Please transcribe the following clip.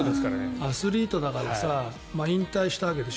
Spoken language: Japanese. アスリートだからさ引退したわけでしょ？